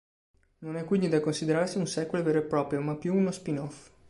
Non è quindi da considerarsi un sequel vero e proprio, ma più uno "spin-off".